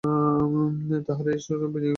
তাহার এরূপ সাজসজ্জা বিনয়ও পূর্বে কখনো দেখে নাই।